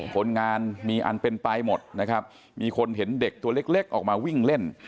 คนงานมีอันเป็นไปหมดนะครับมีคนเห็นเด็กตัวเล็กออกมาวิ่งเล่น